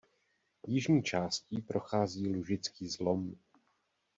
Jižní částí prochází Lužický zlom.